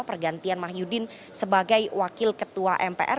pergantian mahyudin sebagai wakil ketua mpr